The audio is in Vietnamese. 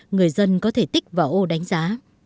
người dân có thể tích vào ô đánh giá